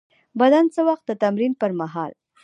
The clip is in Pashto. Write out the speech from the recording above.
بدن څه وخت د تمرین پر مهال